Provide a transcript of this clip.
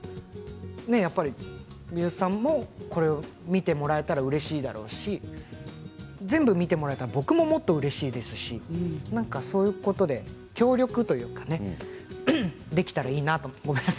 やっぱり美術さんも、これを見てもらえたらうれしいだろうし全部見てもらえたら僕ももっとうれしいですしそういうことで協力というかねできたらいいかと思います。